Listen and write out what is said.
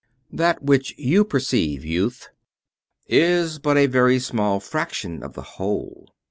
"That which you perceive, youth, is but a very small fraction of the whole.